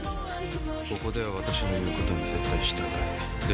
ここでは私の言うことに絶対従え。